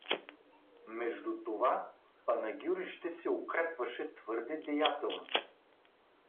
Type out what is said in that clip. Между това Панагюрище се укрепяваше твърде деятелно.